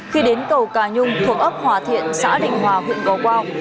khi đến cầu cà nhung thuộc ấp hòa thiện xã định hòa huyện gò quao